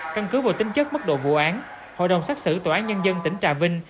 căn cứ vào tính chất mức độ vụ án hội đồng xác xử tòa án nhân dân tỉnh trà vinh